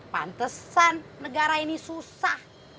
pantesan negara ini susah